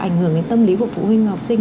ảnh hưởng đến tâm lý của phụ huynh học sinh